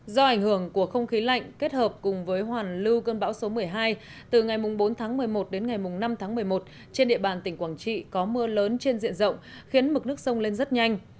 do ảnh hưởng của không khí lạnh kết hợp cùng với hoàn lưu cơn bão số một mươi hai từ ngày bốn tháng một mươi một đến ngày năm tháng một mươi một trên địa bàn tỉnh quảng trị có mưa lớn trên diện rộng khiến mực nước sông lên rất nhanh